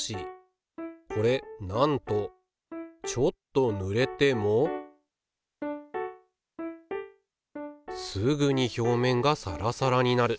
これなんとちょっとぬれてもすぐに表面がサラサラになる。